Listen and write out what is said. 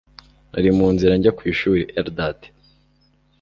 Nari mu nzira njya ku ishuri Eldad